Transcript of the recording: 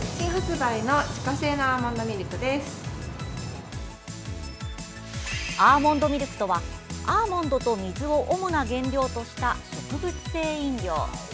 アーモンドミルクとはアーモンドと水を主な原料とした植物性飲料。